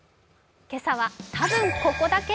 今朝はたぶんここだけ！？